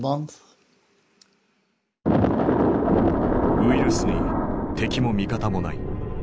ウイルスに敵も味方もない。